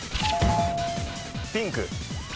ピンク。